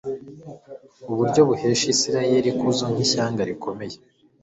uburyo buhesha isirayeli ikuzo nk' ishyanga rikomeye